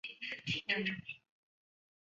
这是国家战争频繁发生的世界。